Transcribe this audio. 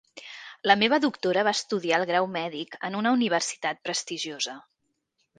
La meva doctora va estudiar el grau mèdic en una universitat prestigiosa.